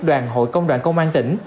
đoàn hội công đoàn công an tỉnh